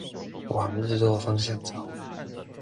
往日落方向找